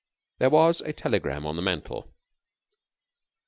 There was a telegram on the mantel.